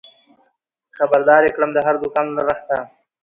خبر دار يې کړم د هر دوکان له رخته